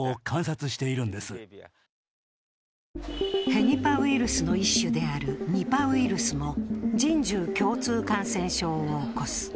ヘニパウイルスの一種であるニパウイルスも人獣共通感染症を起こす。